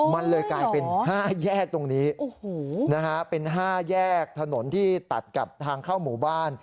มันเลยกลายเป็น๕แยกตรงนี้นะฮะเป็น๕แยกถนนที่ตัดกับทางเข้าหมู่บ้าน